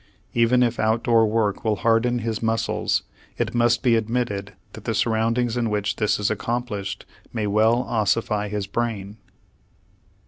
Even if outdoor work will harden his muscles, it must be admitted that the surroundings in which this is accomplished may well ossify his brain.